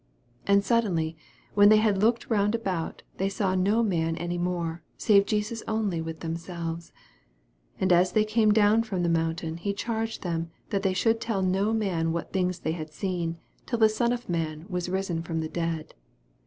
8 And suddenly, when they had looked round about, they saw no man any more, save Jesus only with them selves. 9 And as they came down from the mountain, he charged them that they should tell no man what things they had seen, till the Son of man was risen from the dead.